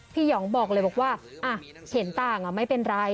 พี่หยองบอกเลยบอกว่าอ่ะเห็นต่างอ่ะไม่เป็นไร